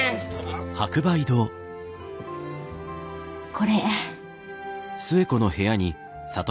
これ。